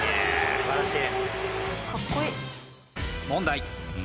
素晴らしい！